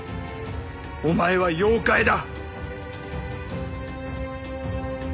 お前は妖怪だ！